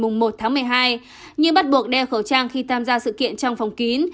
nhưng bắt buộc đeo khẩu trang khi tham gia sự kiện trong phòng kín